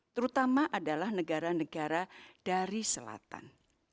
terutama adalah negara negara dari selatan